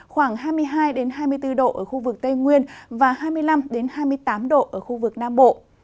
khoảng hai mươi hai hai mươi bốn độ ở khu vực tây nguyên và hai mươi năm hai mươi tám độ ở khu vực nam bộ